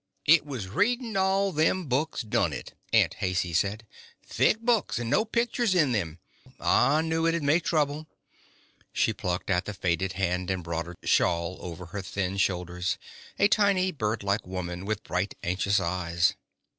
"It was reading all them books done it," Aunt Haicey said. "Thick books, and no pictures in them. I knew it'd make trouble." She plucked at the faded hand embroidered shawl over her thin shoulders, a tiny bird like woman with bright anxious eyes.